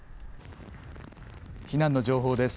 避難の情報です。